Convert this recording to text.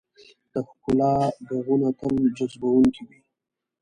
د ښکلا ږغونه تل جذبونکي وي.